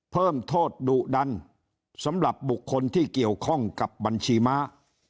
เพิ่มโทษดุดันสำหรับบุคคลที่เกี่ยวข้องกับบัญชีม้า